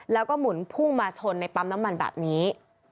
แล้วก็หมุนพุ่งมาชนในปั๊มน้ำมันแบบนี้